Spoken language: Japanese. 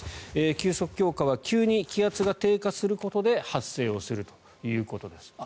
急速強化は急に気圧が低下することで発生をするということです。